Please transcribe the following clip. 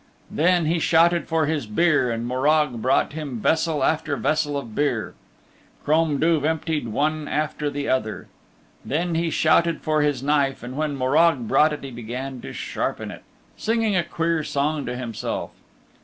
Then he shouted for his beer and Morag brought him vessel after vessel of beer. Crom Duv emptied one after the other..Then he shouted for his knife and when Morag brought it he began to sharpen it, singing a queer song to himself.